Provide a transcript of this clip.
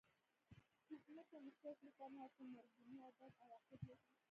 د ځمکې نشست نه تنها چې مرګوني او بد عواقب لري.